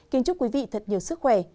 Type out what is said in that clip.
kính chúc quý vị thật nhiều sức khỏe